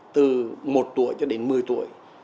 từ một tuổi cho đến mười tuổi